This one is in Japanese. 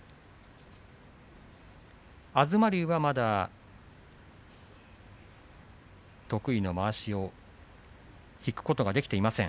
東龍はまだ得意のまわしを引くことができていません。